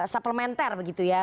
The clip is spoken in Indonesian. suplementer begitu ya